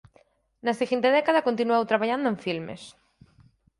Na seguinte década continuou traballando en filmes.